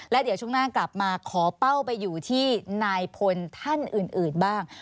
แล้วเดี๋ยวช่วงหน้ากลับมาขอเป้าไปอยู่ที่นายพลท่านอื่นบ้าง